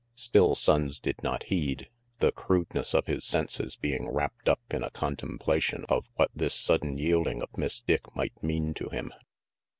Still Sonnes did not heed, the crudeness of his senses being wrapped up in a contemplation of RANGY PETE 339 what this sudden yielding of Miss Dick might mean to him.